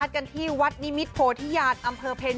กันที่วัดนิมิตโภที่ยาศอำเภอเพนต์